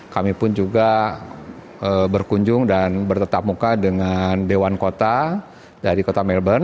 kami pun juga berkunjung dan bertetap muka dengan dewan kota dari kota melbourne